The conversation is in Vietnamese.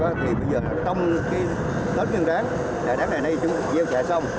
trong cái tớt nguyên ráng là đáng ngày nay chúng gieo sẽ xong